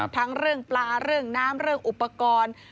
ทั้งเรื่องปลาเรื่องน้ำเรื่องอุปกรณ์